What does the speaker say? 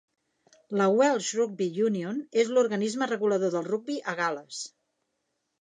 La Welsh Rugby Union és l'organisme regulador del rugbi a Gal·les.